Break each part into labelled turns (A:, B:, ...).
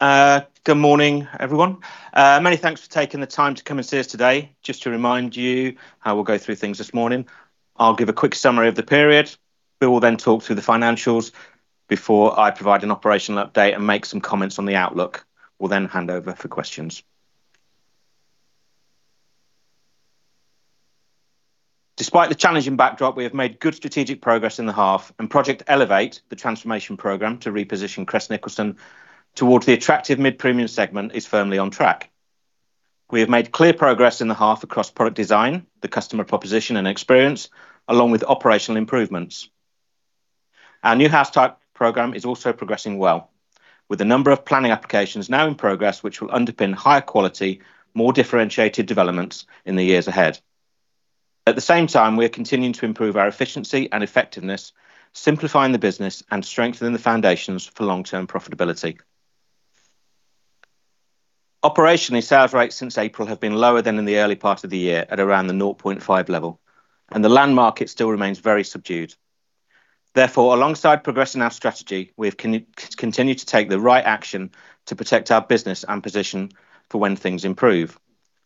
A: Okay. Good morning, everyone. Many thanks for taking the time to come and see us today. Just to remind you how we'll go through things this morning. I'll give a quick summary of the period. Bill will then talk through the financials before I provide an operational update and make some comments on the outlook. We'll then hand over for questions. Despite the challenging backdrop, we have made good strategic progress in the half and Project Elevate, the transformation program to reposition Crest Nicholson towards the attractive mid-premium segment, is firmly on track. We have made clear progress in the half across product design, the customer proposition and experience, along with operational improvements. Our new house type program is also progressing well, with a number of planning applications now in progress, which will underpin higher quality, more differentiated developments in the years ahead. At the same time, we are continuing to improve our efficiency and effectiveness, simplifying the business and strengthening the foundations for long-term profitability. Operationally, sales rates since April have been lower than in the early part of the year at around the 0.5 level. The land market still remains very subdued. Therefore, alongside progressing our strategy, we have continued to take the right action to protect our business and position for when things improve.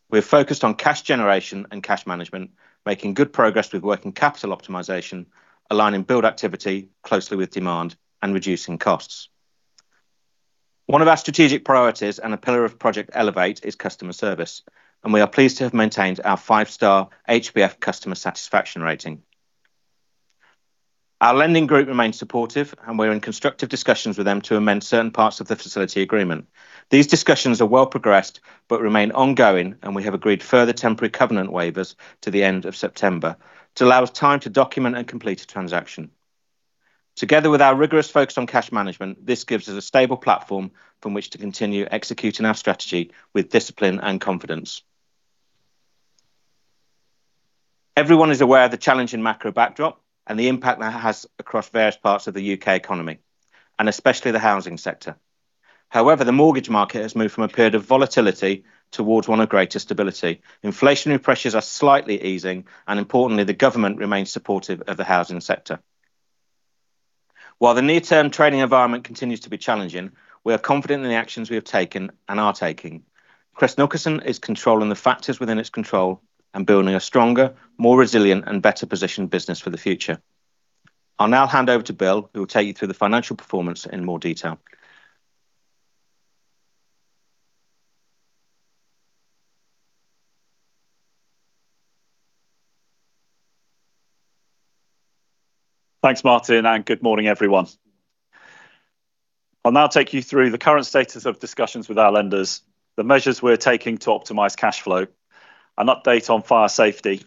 A: We're focused on cash generation and cash management, making good progress with working capital optimization, aligning build activity closely with demand and reducing costs. One of our strategic priorities and a pillar of Project Elevate is customer service, and we are pleased to have maintained our five-star HBF customer satisfaction rating. Our lending group remains supportive, and we're in constructive discussions with them to amend certain parts of the facility agreement. These discussions are well progressed but remain ongoing. We have agreed further temporary covenant waivers to the end of September to allow us time to document and complete a transaction. Together with our rigorous focus on cash management, this gives us a stable platform from which to continue executing our strategy with discipline and confidence. Everyone is aware of the challenging macro backdrop and the impact that has across various parts of the U.K. economy, and especially the housing sector. However, the mortgage market has moved from a period of volatility towards one of greater stability. Inflationary pressures are slightly easing. Importantly, the government remains supportive of the housing sector. While the near-term trading environment continues to be challenging, we are confident in the actions we have taken and are taking. Crest Nicholson is controlling the factors within its control and building a stronger, more resilient, and better positioned business for the future. I'll now hand over to Bill, who will take you through the financial performance in more detail.
B: Thanks, Martyn, and good morning, everyone. I will now take you through the current status of discussions with our lenders, the measures we are taking to optimize cash flow, an update on fire safety,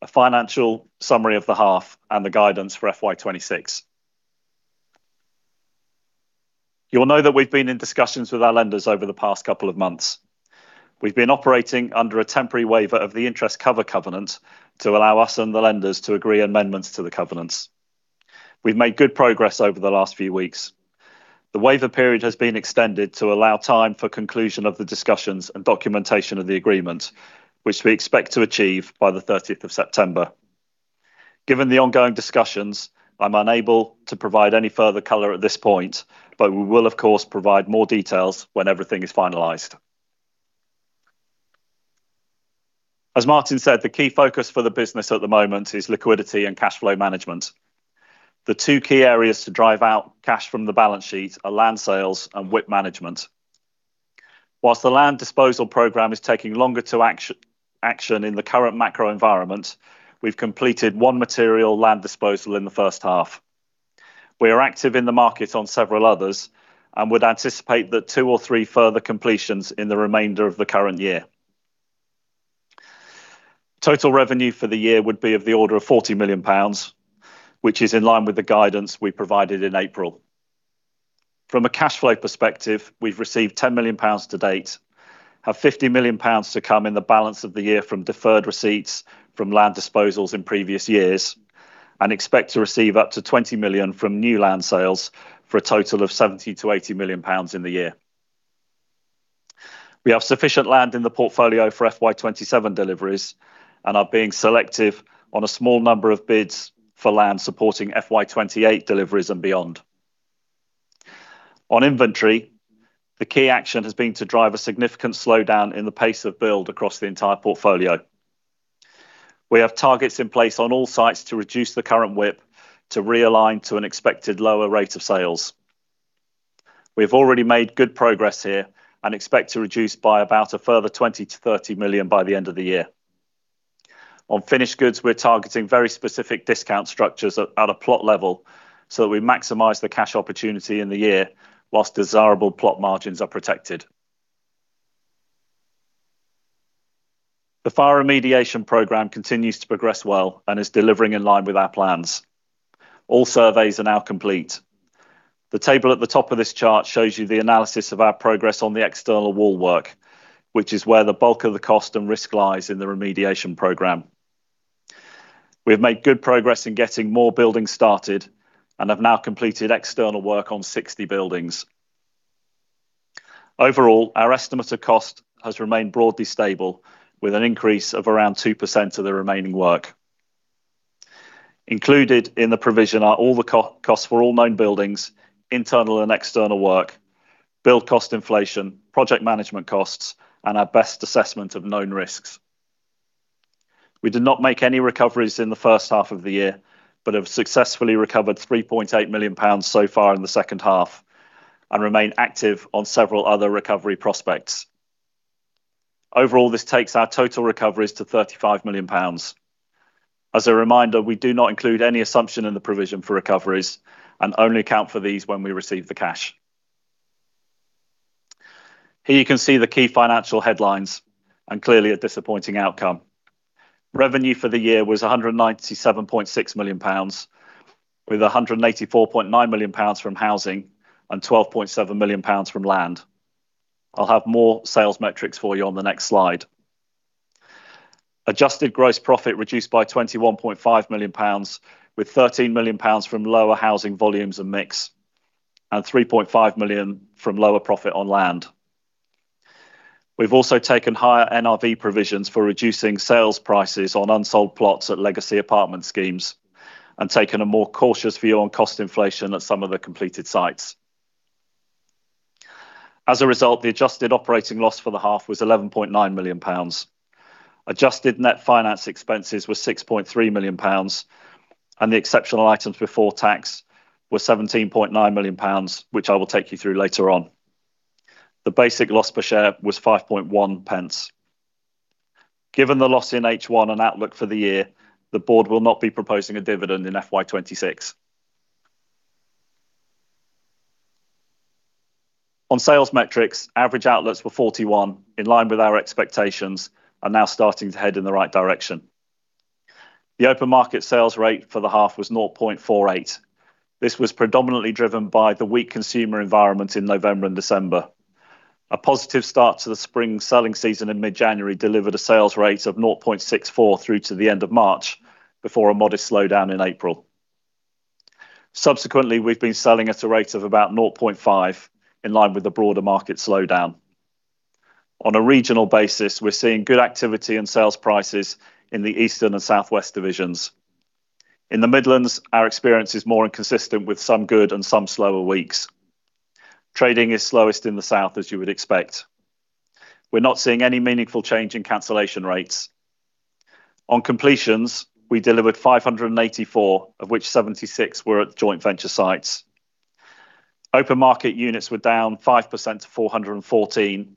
B: a financial summary of the half and the guidance for FY 2026. You know that we have been in discussions with our lenders over the past couple of months. We have been operating under a temporary waiver of the interest cover covenant to allow us and the lenders to agree amendments to the covenants. We have made good progress over the last few weeks. The waiver period has been extended to allow time for conclusion of the discussions and documentation of the agreement, which we expect to achieve by the 30th of September. Given the ongoing discussions, I am unable to provide any further color at this point, but we will, of course, provide more details when everything is finalized. As Martyn said, the key focus for the business at the moment is liquidity and cash flow management. The two key areas to drive out cash from the balance sheet are land sales and WIP management. While the land disposal program is taking longer to action in the current macro environment, we have completed one material land disposal in the first half. We are active in the market on several others and would anticipate that two or three further completions in the remainder of the current year. Total revenue for the year would be of the order of 40 million pounds, which is in line with the guidance we provided in April. From a cash flow perspective, we have received 10 million pounds to date, have 50 million pounds to come in the balance of the year from deferred receipts from land disposals in previous years, and expect to receive up to 20 million from new land sales for a total of 70 million-80 million pounds in the year. We have sufficient land in the portfolio for FY 2027 deliveries and are being selective on a small number of bids for land supporting FY 2028 deliveries and beyond. On inventory, the key action has been to drive a significant slowdown in the pace of build across the entire portfolio. We have targets in place on all sites to reduce the current WIP to realign to an expected lower rate of sales. We have already made good progress here and expect to reduce by about a further 20 million-30 million by the end of the year. On finished goods, we are targeting very specific discount structures at a plot level so that we maximize the cash opportunity in the year while desirable plot margins are protected. The fire remediation program continues to progress well and is delivering in line with our plans. All surveys are now complete. The table at the top of this chart shows you the analysis of our progress on the external wall work, which is where the bulk of the cost and risk lies in the remediation program. We have made good progress in getting more buildings started and have now completed external work on 60 buildings. Overall, our estimate of cost has remained broadly stable with an increase of around 2% of the remaining work. Included in the provision are all the costs for all known buildings, internal and external work, build cost inflation, project management costs, and our best assessment of known risks. We did not make any recoveries in the first half of the year, but have successfully recovered 3.8 million pounds so far in the second half, and remain active on several other recovery prospects. Overall, this takes our total recoveries to 35 million pounds. As a reminder, we do not include any assumption in the provision for recoveries and only account for these when we receive the cash. Here you can see the key financial headlines and clearly a disappointing outcome. Revenue for the year was 197.6 million pounds, with 184.9 million pounds from housing and 12.7 million pounds from land. I'll have more sales metrics for you on the next slide. Adjusted gross profit reduced by 21.5 million pounds, with 13 million pounds from lower housing volumes and mix, and 3.5 million from lower profit on land. We've also taken higher NRV provisions for reducing sales prices on unsold plots at legacy apartment schemes and taken a more cautious view on cost inflation at some of the completed sites. As a result, the adjusted operating loss for the half was 11.9 million pounds. Adjusted net finance expenses were 6.3 million pounds, and the exceptional items before tax were 17.9 million pounds, which I will take you through later on. The basic loss per share was 0.051. Given the loss in H1 and outlook for the year, the board will not be proposing a dividend in FY 2026. On sales metrics, average outlets were 41, in line with our expectations, and now starting to head in the right direction. The open market sales rate for the half was 0.48. This was predominantly driven by the weak consumer environment in November and December. A positive start to the spring selling season in mid-January delivered a sales rate of 0.64 through to the end of March, before a modest slowdown in April. Subsequently, we've been selling at a rate of about 0.5, in line with the broader market slowdown. On a regional basis, we're seeing good activity and sales prices in the Eastern and Southwest divisions. In the Midlands, our experience is more inconsistent with some good and some slower weeks. Trading is slowest in the south, as you would expect. We're not seeing any meaningful change in cancellation rates. On completions, we delivered 584, of which 76 were at joint venture sites. Open market units were down 5% to 414.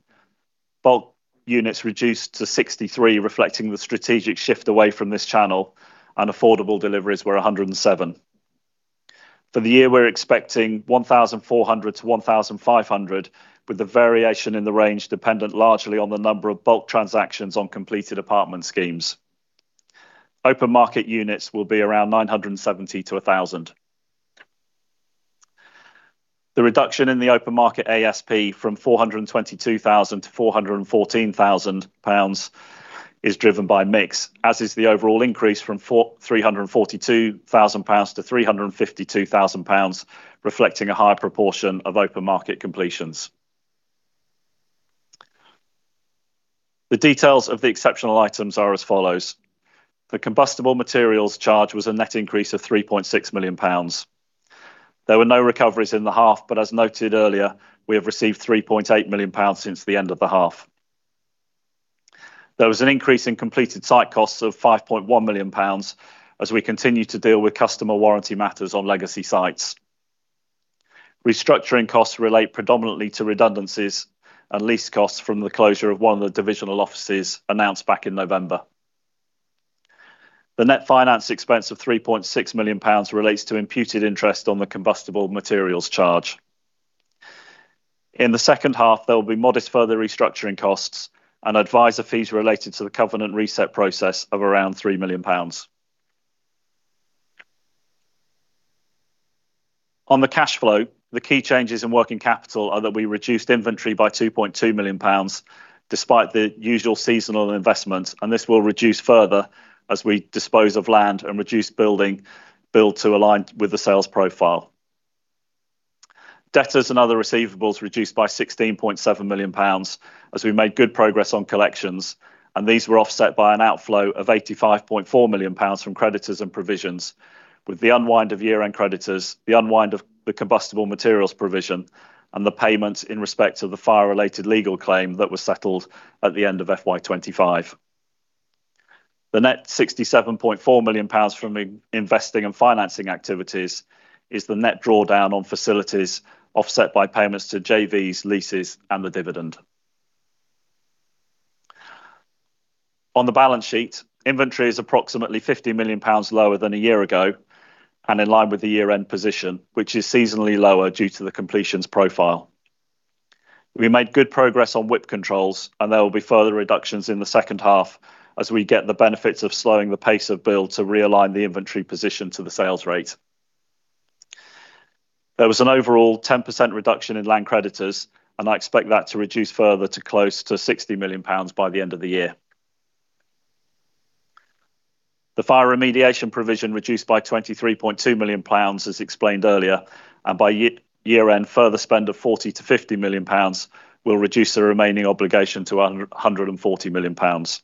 B: Bulk units reduced to 63, reflecting the strategic shift away from this channel, and affordable deliveries were 107. For the year, we're expecting 1,400-1,500, with the variation in the range dependent largely on the number of bulk transactions on completed apartment schemes. Open market units will be around 970-1,000. The reduction in the open market ASP from 422,000 to 414,000 pounds is driven by mix, as is the overall increase from 342,000 pounds to 352,000 pounds, reflecting a higher proportion of open market completions. The details of the exceptional items are as follows. The combustible materials charge was a net increase of 3.6 million pounds. There were no recoveries in the half, but as noted earlier, we have received 3.8 million pounds since the end of the half. There was an increase in completed site costs of 5.1 million pounds as we continue to deal with customer warranty matters on legacy sites. Restructuring costs relate predominantly to redundancies and lease costs from the closure of one of the divisional offices announced back in November. The net finance expense of 3.6 million pounds relates to imputed interest on the combustible materials charge. In the second half, there will be modest further restructuring costs and advisor fees related to the covenant reset process of around 3 million pounds. On the cash flow, the key changes in working capital are that we reduced inventory by 2.2 million pounds, despite the usual seasonal investments, and this will reduce further as we dispose of land and reduce build to align with the sales profile. Debtors and other receivables reduced by 16.7 million pounds as we made good progress on collections. These were offset by an outflow of 85.4 million pounds from creditors and provisions, with the unwind of year-end creditors, the unwind of the combustible materials provision, and the payments in respect of the fire-related legal claim that was settled at the end of FY 2025. The net 67.4 million pounds from investing and financing activities is the net drawdown on facilities offset by payments to JVs, leases, and the dividend. On the balance sheet, inventory is approximately 50 million pounds lower than a year ago and in line with the year-end position, which is seasonally lower due to the completions profile. We made good progress on WIP controls. There will be further reductions in the second half as we get the benefits of slowing the pace of build to realign the inventory position to the sales rate. There was an overall 10% reduction in land creditors, and I expect that to reduce further to close to 60 million pounds by the end of the year. The fire remediation provision reduced by 23.2 million pounds, as explained earlier, and by year-end, further spend of 40 million-50 million pounds will reduce the remaining obligation to 140 million pounds.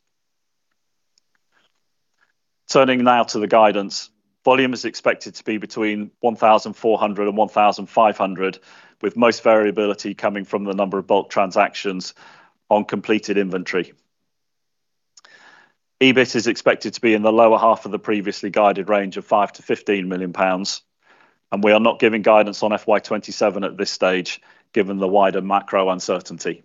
B: Turning now to the guidance. Volume is expected to be between 1,400 and 1,500, with most variability coming from the number of bulk transactions on completed inventory. EBIT is expected to be in the lower half of the previously guided range of 5 million-15 million pounds. We are not giving guidance on FY 2027 at this stage, given the wider macro uncertainty.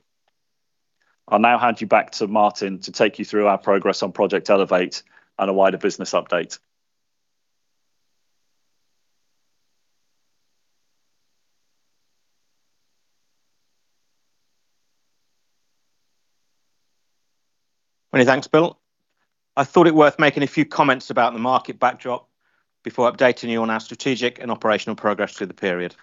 B: I'll now hand you back to Martyn to take you through our progress on Project Elevate and a wider business update.
A: Many thanks, Bill. I thought it worth making a few comments about the market backdrop before updating you on our strategic and operational progress through the period.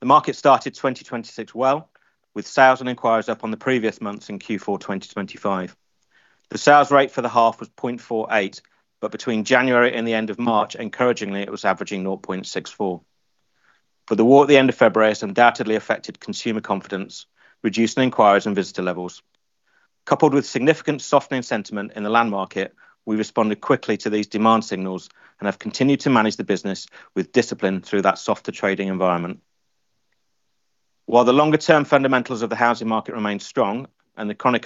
A: The market started 2026 well, with sales and inquiries up on the previous months in Q4 2025. The sales rate for the half was 0.48, between January and the end of March, encouragingly, it was averaging 0.64. The war at the end of February has undoubtedly affected consumer confidence, reducing inquiries and visitor levels. Coupled with significant softening sentiment in the land market, we responded quickly to these demand signals and have continued to manage the business with discipline through that softer trading environment. While the longer term fundamentals of the housing market remain strong and the chronic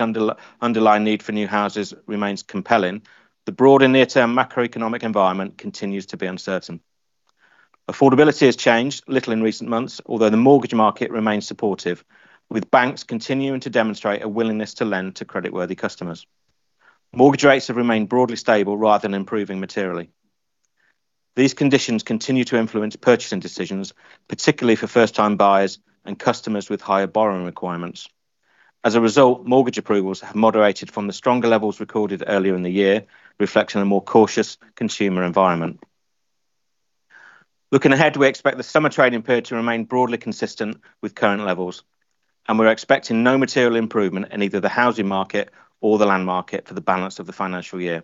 A: underlying need for new houses remains compelling, the broader near term macroeconomic environment continues to be uncertain. Affordability has changed little in recent months, although the mortgage market remains supportive, with banks continuing to demonstrate a willingness to lend to credit worthy customers. Mortgage rates have remained broadly stable rather than improving materially. These conditions continue to influence purchasing decisions, particularly for first time buyers and customers with higher borrowing requirements. As a result, mortgage approvals have moderated from the stronger levels recorded earlier in the year, reflecting a more cautious consumer environment. Looking ahead, we expect the summer trading period to remain broadly consistent with current levels, and we're expecting no material improvement in either the housing market or the land market for the balance of the financial year.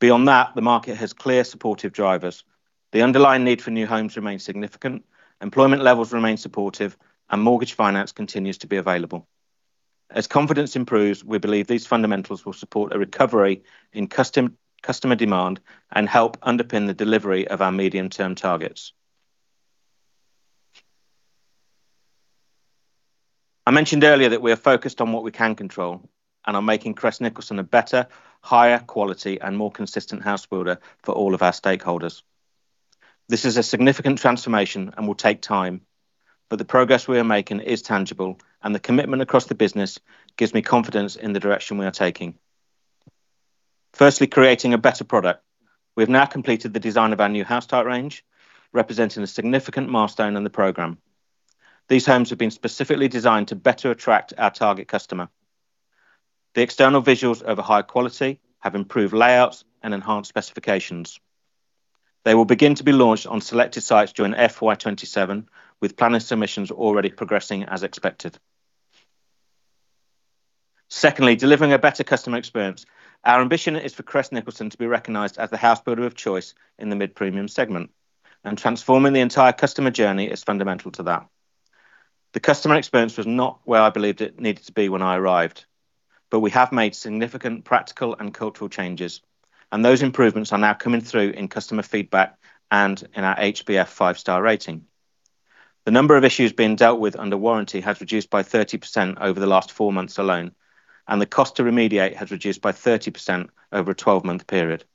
A: Beyond that, the market has clear supportive drivers. The underlying need for new homes remains significant, employment levels remain supportive, and mortgage finance continues to be available. As confidence improves, we believe these fundamentals will support a recovery in customer demand and help underpin the delivery of our medium-term targets. I mentioned earlier that we are focused on what we can control and are making Crest Nicholson a better, higher quality and more consistent house builder for all of our stakeholders. This is a significant transformation and will take time, but the progress we are making is tangible and the commitment across the business gives me confidence in the direction we are taking. Firstly, creating a better product. We have now completed the design of our new house type range, representing a significant milestone in the program. These homes have been specifically designed to better attract our target customer. The external visuals are of a high quality, have improved layouts and enhanced specifications. They will begin to be launched on selected sites during FY 2027, with planning submissions already progressing as expected. Secondly, delivering a better customer experience. Our ambition is for Crest Nicholson to be recognized as the house builder of choice in the mid premium segment, and transforming the entire customer journey is fundamental to that. The customer experience was not where I believed it needed to be when I arrived, but we have made significant practical and cultural changes, and those improvements are now coming through in customer feedback and in our HBF five-star rating. The number of issues being dealt with under warranty has reduced by 30% over the last four months alone, and the cost to remediate has reduced by 30% over a 12 month period.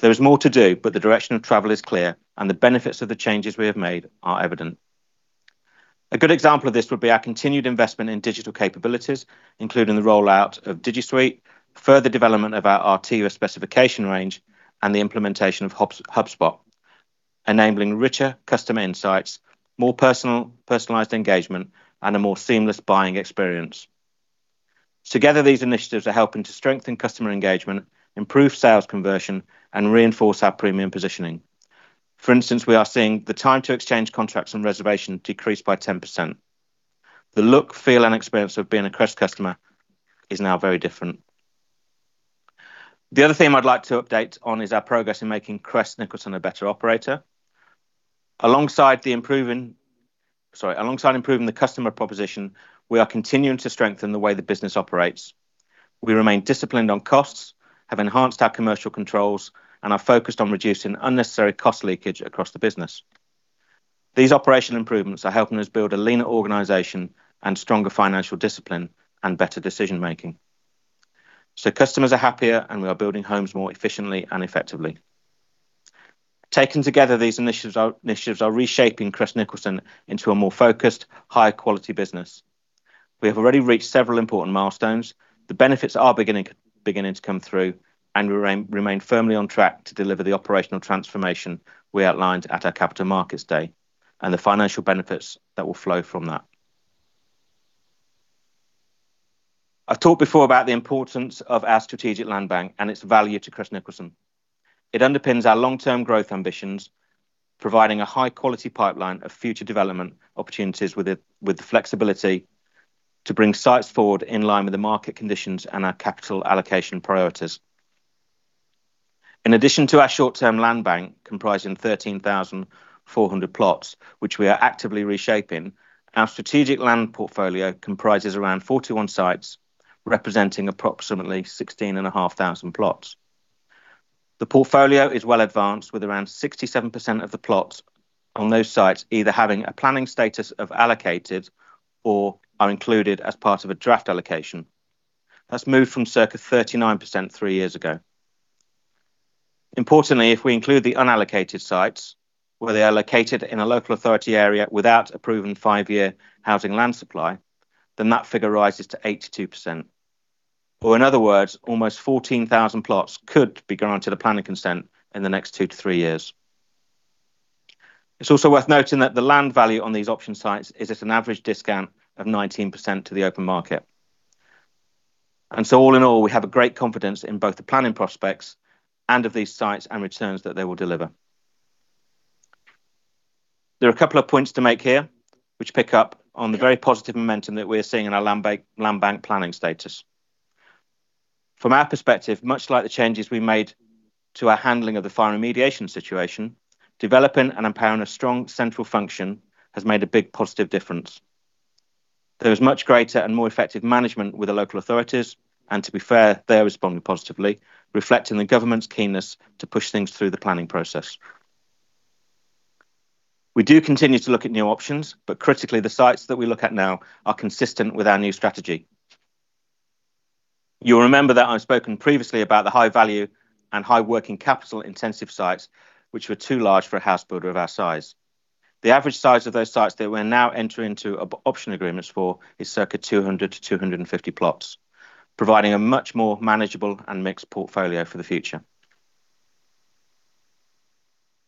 A: There is more to do, but the direction of travel is clear and the benefits of the changes we have made are evident. A good example of this would be our continued investment in digital capabilities, including the rollout of Digisuite, further development of our Arteva specification range, and the implementation of HubSpot, enabling richer customer insights, more personalized engagement, and a more seamless buying experience. Together, these initiatives are helping to strengthen customer engagement, improve sales conversion, and reinforce our premium positioning. For instance, we are seeing the time to exchange contracts and reservation decrease by 10%. The look, feel and experience of being a Crest customer is now very different. The other theme I'd like to update on is our progress in making Crest Nicholson a better operator. Alongside improving the customer proposition, we are continuing to strengthen the way the business operates. We remain disciplined on costs, have enhanced our commercial controls, and are focused on reducing unnecessary cost leakage across the business. These operational improvements are helping us build a leaner organization and stronger financial discipline and better decision making. Customers are happier and we are building homes more efficiently and effectively. Taken together, these initiatives are reshaping Crest Nicholson into a more focused, high quality business. We have already reached several important milestones. The benefits are beginning to come through and we remain firmly on track to deliver the operational transformation we outlined at our Capital Markets Day, and the financial benefits that will flow from that. I've talked before about the importance of our strategic land bank and its value to Crest Nicholson. It underpins our long term growth ambitions, providing a high quality pipeline of future development opportunities with the flexibility to bring sites forward in line with the market conditions and our capital allocation priorities. In addition to our short term land bank comprising 13,400 plots, which we are actively reshaping, our strategic land portfolio comprises around 41 sites, representing approximately 16,500 plots. The portfolio is well advanced, with around 67% of the plots on those sites either having a planning status of allocated or are included as part of a draft allocation. That's moved from circa 39% three years ago. Importantly, if we include the unallocated sites, where they are located in a local authority area without a proven five-year housing land supply, then that figure rises to 82%. In other words, almost 14,000 plots could be granted a planning consent in the next two to three years. It's also worth noting that the land value on these option sites is at an average discount of 19% to the open market. All in all, we have a great confidence in both the planning prospects and of these sites and returns that they will deliver. There are a couple of points to make here, which pick up on the very positive momentum that we're seeing in our land bank planning status. From our perspective, much like the changes we made to our handling of the fire remediation situation, developing and empowering a strong central function has made a big positive difference. There is much greater and more effective management with the local authorities, and to be fair, they are responding positively, reflecting the government's keenness to push things through the planning process. We do continue to look at new options, Critically, the sites that we look at now are consistent with our new strategy. You'll remember that I've spoken previously about the high value and high working capital intensive sites which were too large for a house builder of our size. The average size of those sites that we're now entering into option agreements for is circa 200 to 250 plots, providing a much more manageable and mixed portfolio for the future.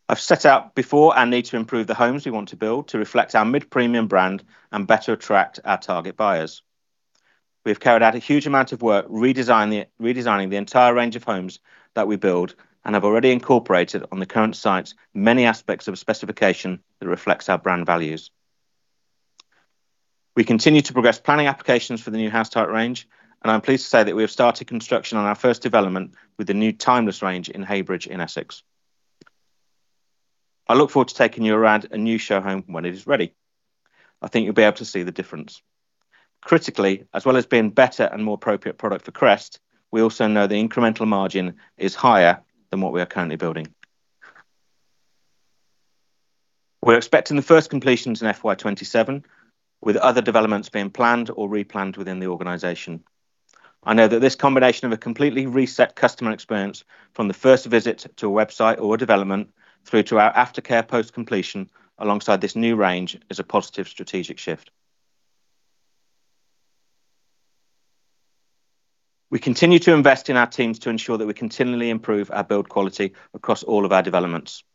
A: I've set out before our need to improve the homes we want to build to reflect our mid-premium brand and better attract our target buyers. We've carried out a huge amount of work redesigning the entire range of homes that we build and have already incorporated on the current sites many aspects of specification that reflects our brand values. We continue to progress planning applications for the new house type range, I'm pleased to say that we have started construction on our first development with the new Timeless range in Heybridge, in Essex. I look forward to taking you around a new show home when it is ready. I think you'll be able to see the difference. Critically, as well as being better and more appropriate product for Crest, we also know the incremental margin is higher than what we are currently building. We're expecting the first completions in FY 2027, with other developments being planned or replanned within the organization. I know that this combination of a completely reset customer experience from the first visit to a website or a development through to our aftercare post-completion alongside this new range is a positive strategic shift. We continue to invest in our teams to ensure that we continually improve our build quality across all of our developments.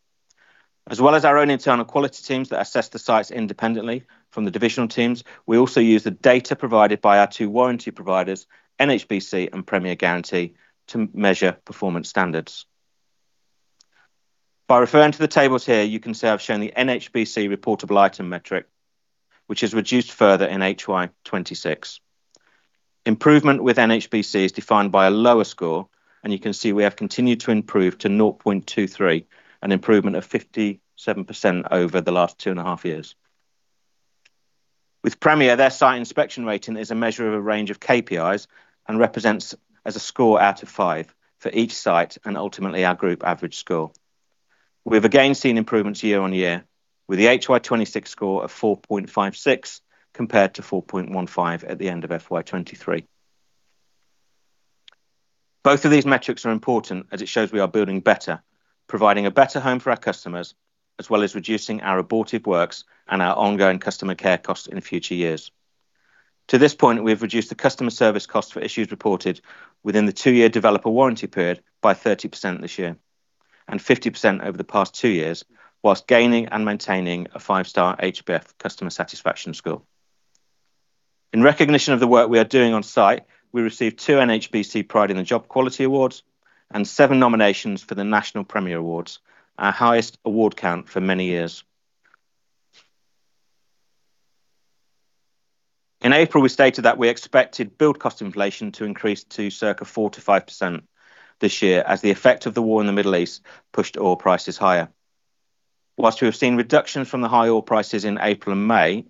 A: As well as our own internal quality teams that assess the sites independently from the divisional teams, we also use the data provided by our two warranty providers, NHBC and Premier Guarantee, to measure performance standards. By referring to the tables here, you can see I've shown the NHBC reportable item metric, which has reduced further in HY 2026. Improvement with NHBC is defined by a lower score. You can see we have continued to improve to 0.23, an improvement of 57% over the last 2.5 years. With Premier, their site inspection rating is a measure of a range of KPIs and represents as a score out of five for each site and ultimately our group average score. We've again seen improvements year-on-year with the HY 2026 score of 4.56 compared to 4.15 at the end of FY 2023. Both of these metrics are important as it shows we are building better, providing a better home for our customers, as well as reducing our abortive works and our ongoing customer care costs in future years. To this point, we've reduced the customer service cost for issues reported within the two-year developer warranty period by 30% this year, 50% over the past two years, whilst gaining and maintaining a five-star HBF customer satisfaction score. In recognition of the work we are doing on site, we received two NHBC Pride in the Job Quality awards and seven nominations for the National Premier Awards, our highest award count for many years. In April, we stated that we expected build cost inflation to increase to circa 4%-5% this year as the effect of the war in the Middle East pushed oil prices higher. While we have seen reductions from the high oil prices in April and May,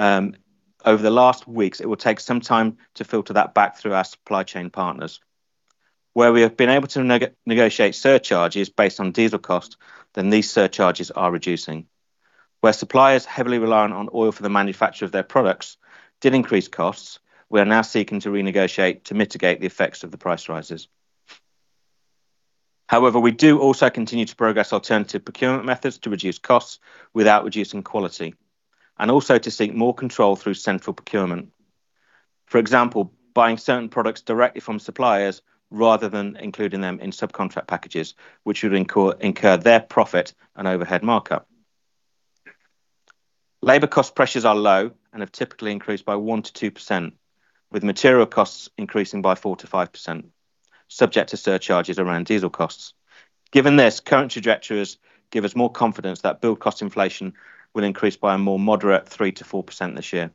A: over the last weeks, it will take some time to filter that back through our supply chain partners. Where we have been able to negotiate surcharges based on diesel cost, then these surcharges are reducing. Where suppliers heavily reliant on oil for the manufacture of their products did increase costs, we are now seeking to renegotiate to mitigate the effects of the price rises. We do also continue to progress alternative procurement methods to reduce costs without reducing quality, and also to seek more control through central procurement. For example, buying certain products directly from suppliers rather than including them in subcontract packages, which would incur their profit and overhead markup. Labor cost pressures are low and have typically increased by 1%-2%, with material costs increasing by 4%-5%, subject to surcharges around diesel costs. Given this, current trajectories give us more confidence that build cost inflation will increase by a more moderate 3%-4% this year.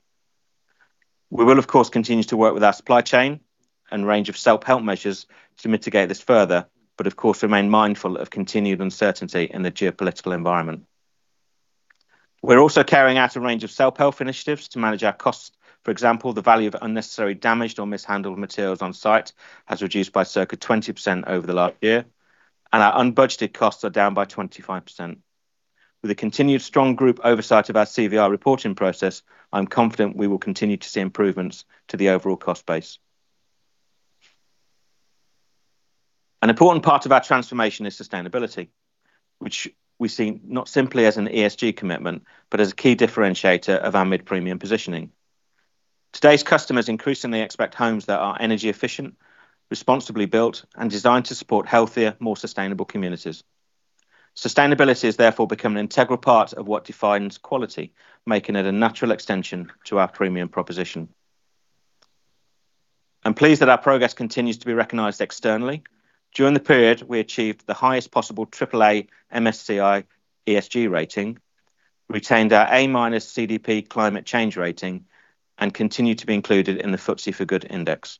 A: We will of course continue to work with our supply chain and range of self-help measures to mitigate this further, but of course remain mindful of continued uncertainty in the geopolitical environment. We're also carrying out a range of self-help initiatives to manage our costs. For example, the value of unnecessary damaged or mishandled materials on site has reduced by circa 20% over the last year, and our unbudgeted costs are down by 25%. With a continued strong group oversight of our CVR reporting process, I'm confident we will continue to see improvements to the overall cost base. An important part of our transformation is sustainability, which we see not simply as an ESG commitment, but as a key differentiator of our mid-premium positioning. Today's customers increasingly expect homes that are energy efficient, responsibly built, and designed to support healthier, more sustainable communities. Sustainability has therefore become an integral part of what defines quality, making it a natural extension to our premium proposition. I'm pleased that our progress continues to be recognized externally. During the period, we achieved the highest possible AAA MSCI ESG rating, retained our A- CDP climate change rating, and continue to be included in the FTSE4Good Index.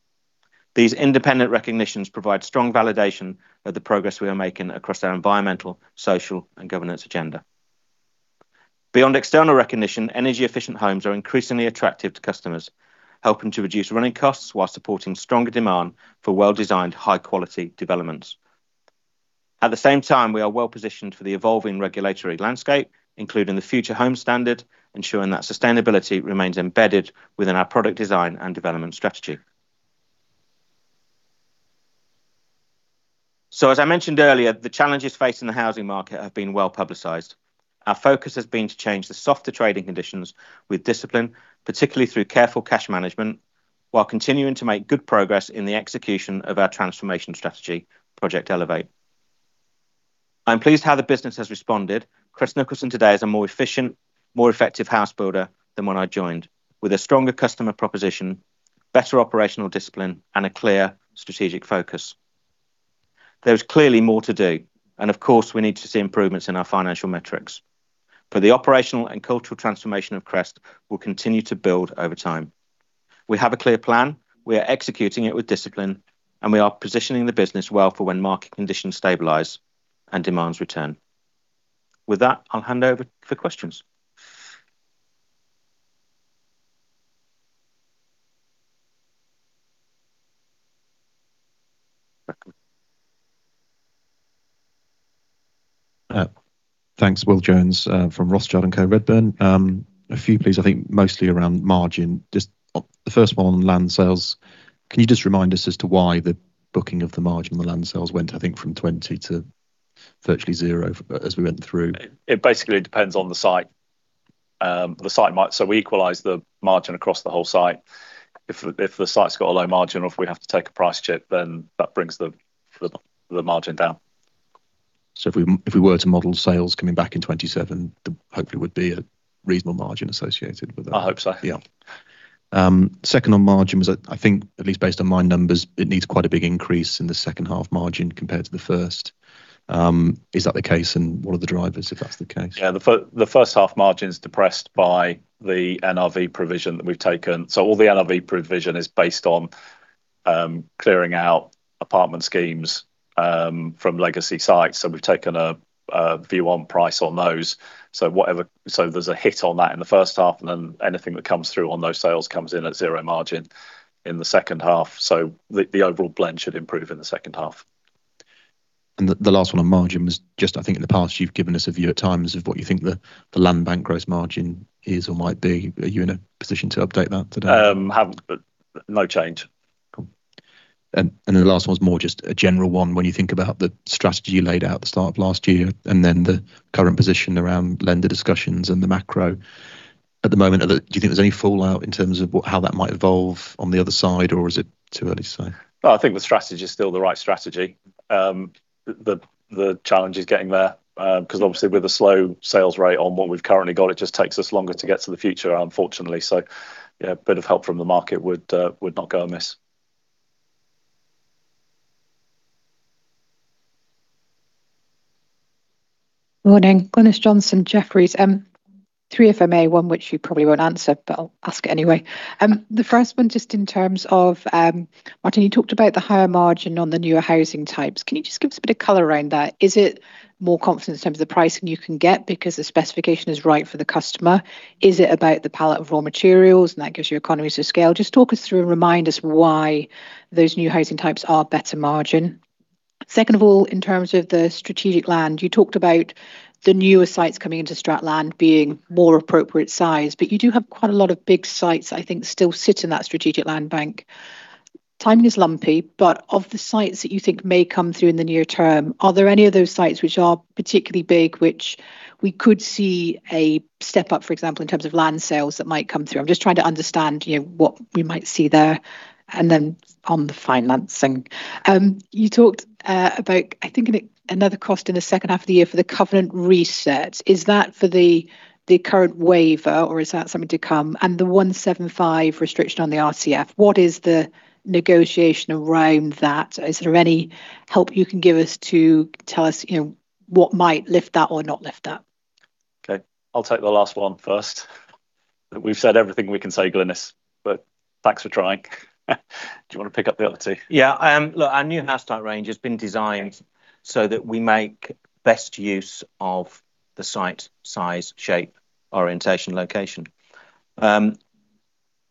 A: These independent recognitions provide strong validation of the progress we are making across our environmental, social, and governance agenda. Beyond external recognition, energy efficient homes are increasingly attractive to customers, helping to reduce running costs while supporting stronger demand for well-designed, high quality developments. At the same time, we are well-positioned for the evolving regulatory landscape, including the Future Homes Standard, ensuring that sustainability remains embedded within our product design and development strategy. As I mentioned earlier, the challenges facing the housing market have been well-publicized. Our focus has been to change the softer trading conditions with discipline, particularly through careful cash management, while continuing to make good progress in the execution of our transformation strategy, Project Elevate. I'm pleased how the business has responded. Crest Nicholson today is a more efficient, more effective house builder than when I joined, with a stronger customer proposition, better operational discipline, and a clear strategic focus. There is clearly more to do. Of course we need to see improvements in our financial metrics, the operational and cultural transformation of Crest will continue to build over time. We have a clear plan. We are executing it with discipline, we are positioning the business well for when market conditions stabilize and demands return. With that, I'll hand over for questions.
C: Thanks. Will Jones from Rothschild & Co Redburn. A few please, I think mostly around margin. Just the first one on land sales. Can you just remind us as to why the booking of the margin on the land sales went, I think, from 20 to virtually zero as we went through?
B: It basically depends on the site. We equalize the margin across the whole site. If the site's got a low margin or if we have to take a price hit, that brings the margin down.
C: If we were to model sales coming back in 2027, there hopefully would be a reasonable margin associated with it.
B: I hope so.
C: Yeah. Second on margin was, I think at least based on my numbers, it needs quite a big increase in the second half margin compared to the first. Is that the case, and what are the drivers if that's the case?
B: Yeah. The first half margin's depressed by the NRV provision that we've taken. All the NRV provision is based on clearing out apartment schemes from legacy sites. We've taken a V1 price on those. There's a hit on that in the first half, and then anything that comes through on those sales comes in at zero margin in the second half. The overall blend should improve in the second half.
C: The last one on margin was just, I think in the past you've given us a view at times of what you think the land bank gross margin is or might be. Are you in a position to update that today?
B: Haven't, but no change.
C: Cool. The last one's more just a general one. When you think about the strategy you laid out at the start of last year, and then the current position around lender discussions and the macro at the moment, do you think there's any fallout in terms of how that might evolve on the other side, or is it too early to say?
B: No, I think the strategy is still the right strategy. The challenge is getting there, because obviously with the slow sales rate on what we've currently got, it just takes us longer to get to the future, unfortunately. Yeah, a bit of help from the market would not go amiss.
D: Morning. Glynis Johnson, Jefferies. Three, if I may. One which you probably won't answer, but I'll ask it anyway. The first one just in terms of, Martyn, you talked about the higher margin on the newer housing types. Can you just give us a bit of color around that? Is it more confidence in terms of the pricing you can get because the specification is right for the customer? Is it about the palette of raw materials and that gives you economies of scale? Just talk us through and remind us why those new housing types are better margin. Second of all, in terms of the strategic land, you talked about the newer sites coming into strategic land being more appropriate size, but you do have quite a lot of big sites that I think still sit in that strategic land bank. Timing is lumpy, of the sites that you think may come through in the near term, are there any of those sites which are particularly big, which we could see a step up, for example, in terms of land sales that might come through? I'm just trying to understand what we might see there. On the financing, you talked about, I think another cost in the second half of the year for the covenant reset. Is that for the current waiver or is that something to come? The 175 restriction on the RCF, what is the negotiation around that? Is there any help you can give us to tell us what might lift that or not lift that?
B: Okay. I'll take the last one first. We've said everything we can say, Glynis, thanks for trying. Do you want to pick up the other two?
A: Yeah. Look, our new house type range has been designed so that we make best use of the site size, shape, orientation, location.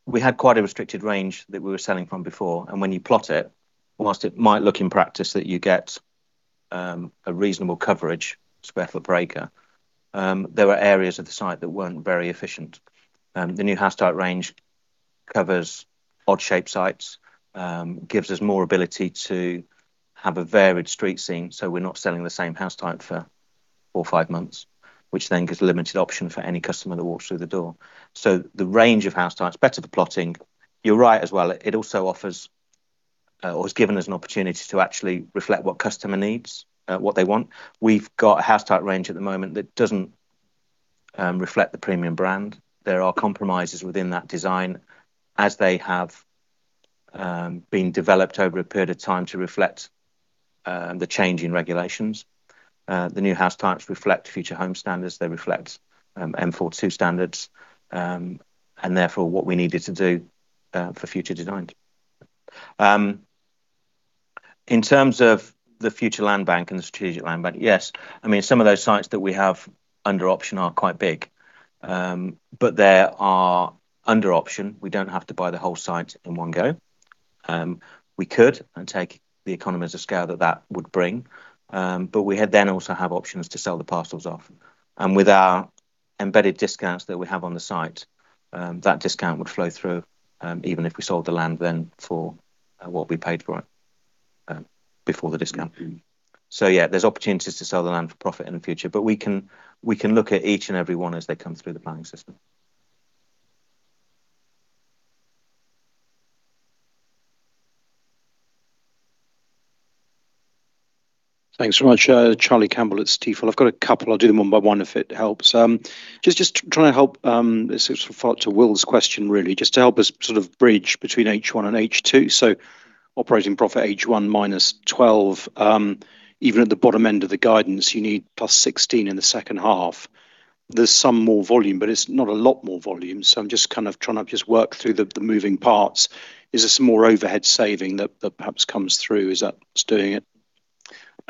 A: We had quite a restricted range that we were selling from before, when you plot it, whilst it might look in practice that you get a reasonable coverage, square foot per acre, there were areas of the site that weren't very efficient. The new house type range covers odd shape sites, gives us more ability to have a varied street scene, we're not selling the same house type for four or five months, which then gives a limited option for any customer that walks through the door. The range of house types, better for plotting. You're right as well, it also offers or has given us an opportunity to actually reflect what customer needs, what they want. We've got a house type range at the moment that doesn't reflect the premium brand. There are compromises within that design as they have been developed over a period of time to reflect the change in regulations. The new house types reflect Future Homes Standard. They reflect M4(2) standards, therefore what we needed to do for future designs. In terms of the future land bank and the strategic land bank, yes. Some of those sites that we have under option are quite big. They are under option. We don't have to buy the whole site in one go. We could and take the economies of scale that that would bring. We then also have options to sell the parcels off. With our embedded discounts that we have on the site, that discount would flow through, even if we sold the land then for what we paid for it before the discount. Yeah, there's opportunities to sell the land for profit in the future, but we can look at each and every one as they come through the planning system.
E: Thanks so much. Charlie Campbell at Stifel. I've got a couple. I'll do them one by one if it helps. Just trying to help, this is a follow-up to Will's question really, just to help us bridge between H1 and H2. Operating profit H1 -12 million, even at the bottom end of the guidance, you need +16 million in the second half. There's some more volume, but it's not a lot more volume. I'm just trying to work through the moving parts. Is this more overhead saving that perhaps comes through? Is that what's doing it?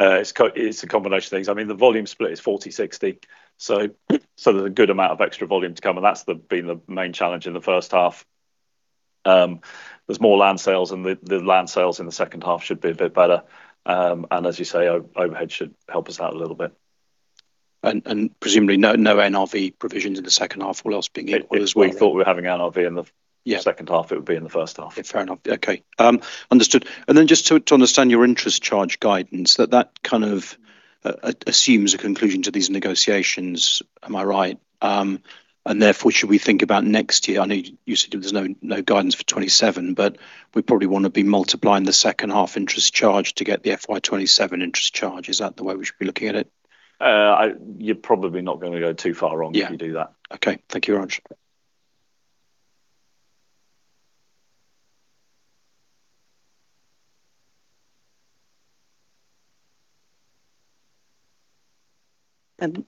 B: It's a combination of things. The volume split is 40/60, there's a good amount of extra volume to come, and that's been the main challenge in the first half. There's more land sales, the land sales in the second half should be a bit better. As you say, overhead should help us out a little bit.
E: Presumably, no NRV provisions in the second half, all else being equal as well, yeah?
B: If we thought we were having NRV in the second half. It would be in the first half.
E: Fair enough. Okay. Understood. Just to understand your interest charge guidance, that kind of assumes a conclusion to these negotiations, am I right? Should we think about next year? I know you said there's no guidance for 2027, we probably want to be multiplying the second half interest charge to get the FY 2027 interest charge. Is that the way we should be looking at it?
B: You're probably not going to go too far wrong if you do that.
E: Okay. Thank you very much.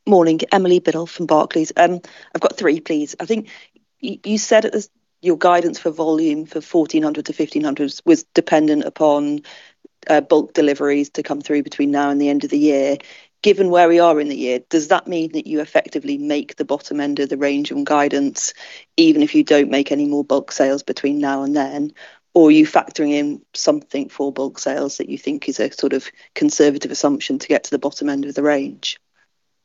F: Morning. Emily Biddulph from Barclays. I've got three, please. I think you said your guidance for volume for 1,400 to 1,500 was dependent upon bulk deliveries to come through between now and the end of the year. Given where we are in the year, does that mean that you effectively make the bottom end of the range on guidance, even if you don't make any more bulk sales between now and then? Or are you factoring in something for bulk sales that you think is a conservative assumption to get to the bottom end of the range?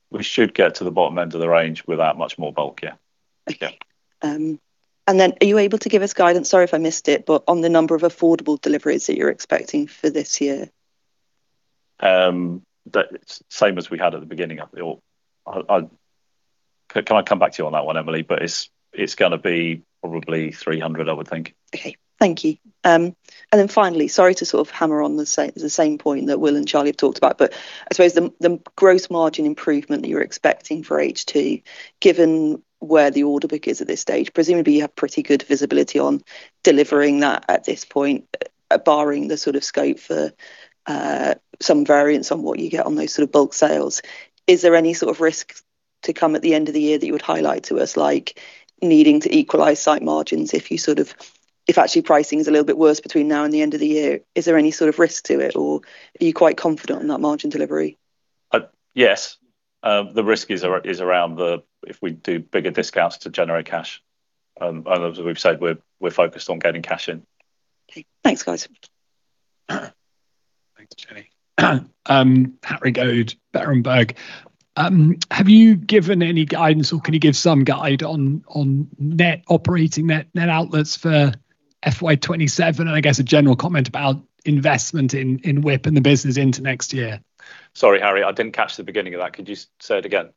B: We should get to the bottom end of the range without much more bulk, yeah.
F: Okay. Are you able to give us guidance, sorry if I missed it, but on the number of affordable deliveries that you're expecting for this year?
B: Same as we had at the beginning of the Can I come back to you on that one, Emily? It's going to be probably 300, I would think.
F: Okay. Thank you. Finally, sorry to hammer on the same point that Will and Charlie have talked about, I suppose the gross margin improvement that you're expecting for H2, given where the order book is at this stage, presumably you have pretty good visibility on delivering that at this point, barring the scope for some variance on what you get on those bulk sales. Is there any risk to come at the end of the year that you would highlight to us, like needing to equalize site margins if actually pricing is a little bit worse between now and the end of the year? Is there any risk to it, or are you quite confident in that margin delivery?
B: Yes. The risk is around if we do bigger discounts to generate cash. As we've said, we're focused on getting cash in.
F: Okay. Thanks, guys.
B: Thanks, Emily.
G: Harry Goad, Berenberg. Have you given any guidance or can you give some guide on net operating net outlets for FY 2027, I guess a general comment about investment in WIP and the business into next year?
B: Sorry, Harry, I didn't catch the beginning of that. Could you say it again?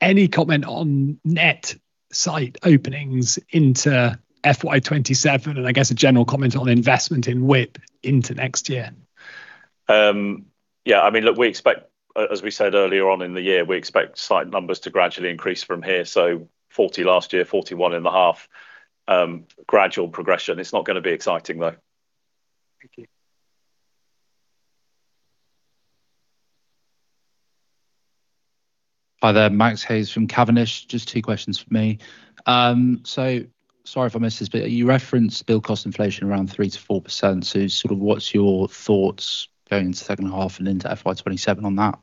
G: Any comment on net site openings into FY 2027 and I guess a general comment on investment in WIP into next year?
B: Yeah, look, as we said earlier on in the year, we expect site numbers to gradually increase from here. 40 last year, 41 in the half. Gradual progression. It's not going to be exciting, though.
G: Thank you.
H: Hi there, Max Hayes from Cavendish. Just two questions from me. Sorry if I missed this, but you referenced build cost inflation around 3%-4%. What's your thoughts going into the second half and into FY 2027 on that?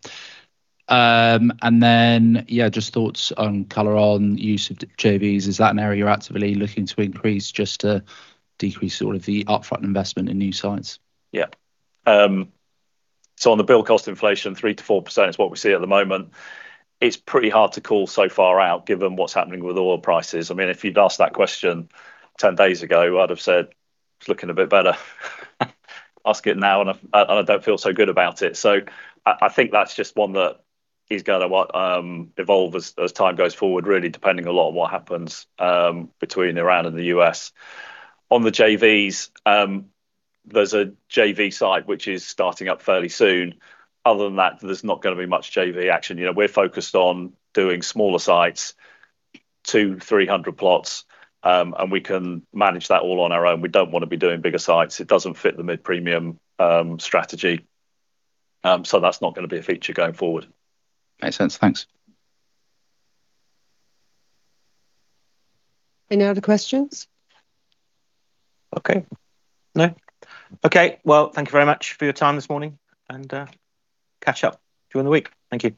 H: Yeah, just thoughts and color on use of JVs. Is that an area you're actively looking to increase just to decrease the upfront investment in new sites?
B: Yeah. On the build cost inflation, 3%-4% is what we see at the moment. It's pretty hard to call so far out given what's happening with oil prices. If you'd asked that question 10 days ago, I'd have said it's looking a bit better. Ask it now and I don't feel so good about it. I think that's just one that is going to evolve as time goes forward, really, depending a lot on what happens between Iran and the U.S. On the JVs, there's a JV site which is starting up fairly soon. Other than that, there's not going to be much JV action. We're focused on doing smaller sites, two, 300 plots, and we can manage that all on our own. We don't want to be doing bigger sites. It doesn't fit the mid-premium strategy. That's not going to be a feature going forward.
H: Makes sense. Thanks.
I: Any other questions?
A: Okay. No? Okay. Thank you very much for your time this morning, and catch up during the week. Thank you.